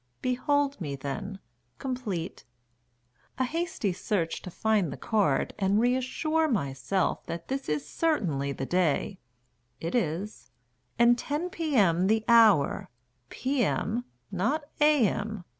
Behold me, then, complete. A hasty search To find the card, and reassure myself That this is certainly the day (It is) And 10 p.m. the hour; "p.m.," not "a.m.